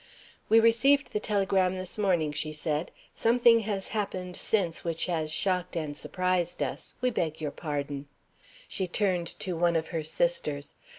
"We received the telegram this morning," she said. "Something has happened since which has shocked and surprised us. We beg your pardon." She turned to one of her sisters.